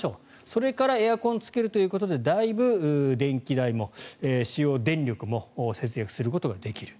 それからエアコンをつけるということでだいぶ電気代も使用電力も節約することができる。